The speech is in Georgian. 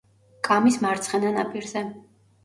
კამის მარცხენა ნაპირზე.